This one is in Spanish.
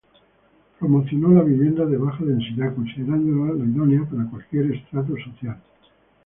Promocionó la vivienda de baja densidad, considerándola la idónea para cualquier estrato social.